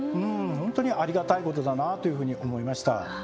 ほんとにありがたいことだなというふうに思いました。